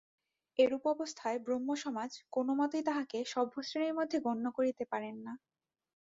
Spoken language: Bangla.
এরূপ অবস্থায় ব্রাহ্মসমাজ কোনোমতেই তাঁহাকে সভ্যশ্রেণীর মধ্যে গণ্য করিতে পারেন না।